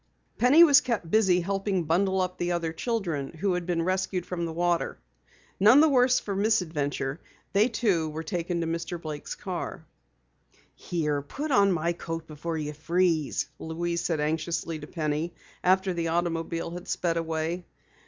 Penny was kept busy helping bundle up the other children who had been rescued from the water. None the worse for the misadventure, they too were taken to Mr. Blake's car. "Here, put on my coat before you freeze," Louise said anxiously to Penny after the automobile had sped away.